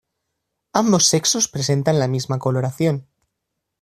Ambos sexos presentan la misma coloración.